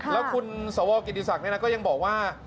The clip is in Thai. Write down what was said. แล้วคุณสวกิติศักดิ์ก็ยังบอกว่า